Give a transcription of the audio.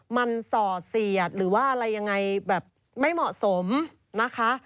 มันส่อเสียดหรือว่าอะไรยังไงแบบไม่เหมาะสมนะคะ